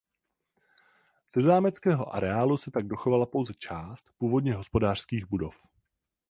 Ze zámeckého areálu se tak dochovala pouze část původně hospodářských budov.